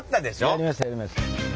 やりましたやりました。